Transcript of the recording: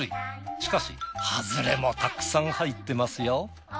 しかしハズレもたくさん入ってますよ。